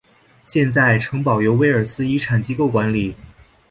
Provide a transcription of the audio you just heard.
现在城堡由威尔斯遗产机构管理。